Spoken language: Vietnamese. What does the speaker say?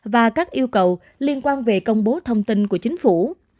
và các yêu cầu liên quan về công bố thông tin của chính phủ